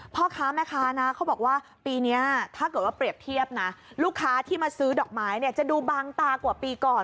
พ่อค้าแม่ค้านะเขาบอกว่าปีนี้ถ้าเกิดว่าเปรียบเทียบนะลูกค้าที่มาซื้อดอกไม้เนี่ยจะดูบางตากว่าปีก่อน